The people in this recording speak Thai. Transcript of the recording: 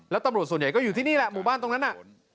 แล้วตำรวจส่วนใหญ่ก็อยู่ที่นี่แหละหมู่บ้านตรงนั้นน่ะ